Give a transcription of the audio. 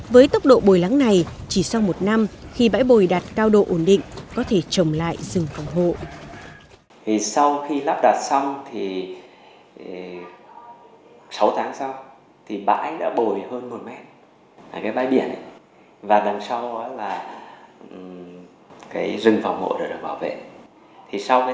với tốc độ bồi lắng này chỉ sau một năm khi bãi bồi đạt cao độ ổn định có thể trồng lại rừng phòng hộ